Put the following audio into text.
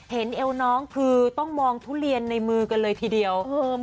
เอวน้องคือต้องมองทุเรียนในมือกันเลยทีเดียว